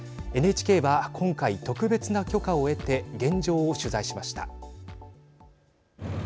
ＮＨＫは、今回特別な許可を得て現状を取材しました。